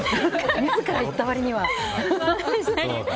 自ら言った割には。